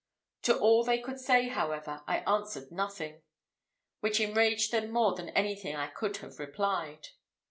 To all they could say, however, I answered nothing, which enraged them more than anything I could have replied.